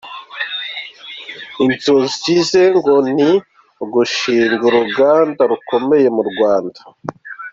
Inzozi ze ngo ni ugushinga uruganda rukomeye mu Rwanda.